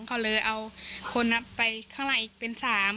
เขาเลยเอาคนไปข้างในอีกเป็น๓